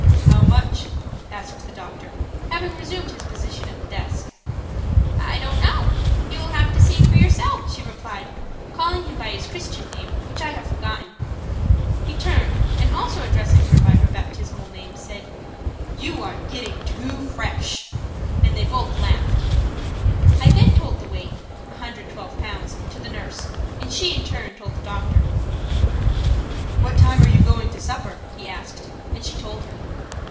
"How much?" asked the doctor, having resumed his position at the desk. "I don't know. You will have to see for yourself," she replied, calling him by his Christian name, which I have forgotten. He turned and also addressing her by her baptismal name, he said: "You are getting too fresh!" and they both laughed. I then told the weight–112 pounds–to the nurse, and she in turn told the doctor. "What time are you going to supper?" he asked, and she told him.